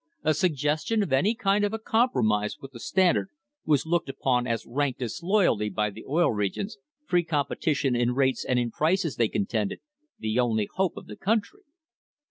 A sug gestion of any kind of a compromise with the Standard was looked upon as rank disloyalty by the Oil Regions, free com petition in rates and in prices being, they contended, the only hope of the country.